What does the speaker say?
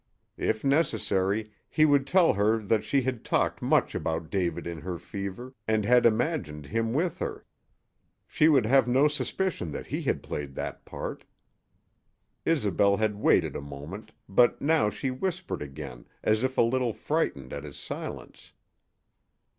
If necessary, he would tell her that she had talked much about David in her fever and had imagined him with her. She would have no suspicion that he had played that part. Isobel had waited a moment, but now she whispered again, as if a little frightened at his silence.